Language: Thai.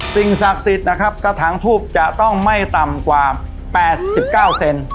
สิ่งศักดิ์สิทธิ์นะครับกระถางทูบจะต้องไม่ต่ำกว่า๘๙เซน